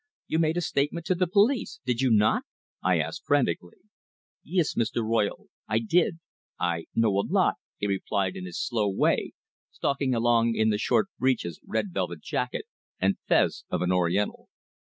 You made a statement to the police, did you not?" I asked frantically. "Yees, Mee ster Royle I did! I know a lot," he replied in his slow way, stalking along in the short breeches, red velvet jacket, and fez of an Oriental.